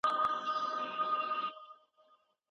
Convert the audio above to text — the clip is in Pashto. آیا شریف به وکولی شي چې د کلي د باغونو پولې بېرته سمې کړي؟